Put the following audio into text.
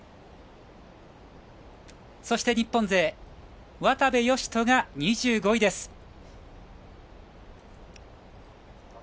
そして日本勢渡部善斗が２５位です。